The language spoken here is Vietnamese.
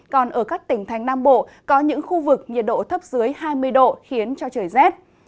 còn ở các tỉnh thành nam bộ có những khu vực nhiệt độ thấp dưới hai mươi độ khiến cho trời rét